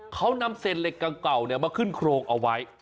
เขานำเซนเหล็กเก่ามาขึ้นโครงเอาไว้